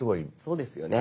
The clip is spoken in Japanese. そうですよね。